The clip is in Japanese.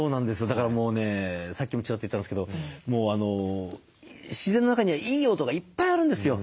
だからもうねさっきもチラッと言ったんですけど自然の中にはいい音がいっぱいあるんですよ。